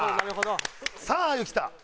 さああゆきた。